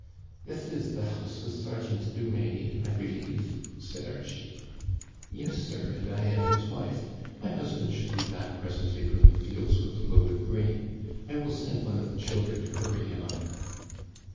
" This is the house of Sergeant Dumais, I believe," said Archie. " Yes, sir, and I am his wife. My husband should be back presently from the fields with a load of grain. I will send one of the children to hurry him up."